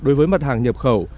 đối với mặt hàng nhập khẩu